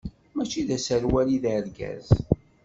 Mačči d aserwal i d argaz.